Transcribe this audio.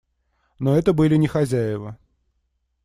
Но это были не хозяева.